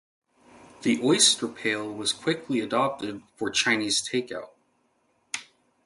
The oyster pail was quickly adopted for "Chinese takeout".